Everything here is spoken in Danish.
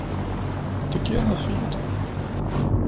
Det giver noget fint